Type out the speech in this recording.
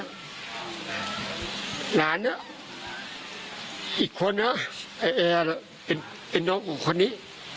หลานเนี่ยอีกคนนะไอ้แอร์เป็นน้องของคนนี้